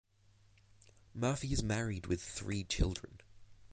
Murphy is married with three children.